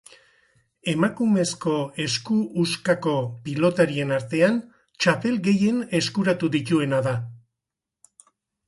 Emakumezko esku-huskako pilotarien artean txapel gehien eskuratu dituena da.